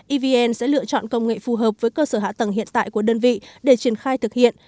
evn sẽ lựa chọn công nghệ phù hợp với cơ sở hạ tầng hiện tại của đơn vị để triển khai thực hiện